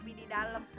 kopi di dalam